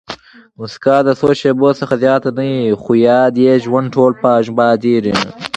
مسکا د څو شېبو څخه زیاته نه يي؛ خو یاد ئې ټوله ژوند پاتېږي.